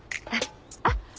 あっ